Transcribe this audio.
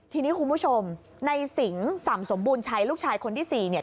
ทีนี้คุณผู้ชมในสิงสำสมบูรณ์ชัยลูกชายคนที่สี่เนี่ย